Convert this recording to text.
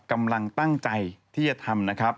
กำลังตั้งใจที่จะทำนะครับ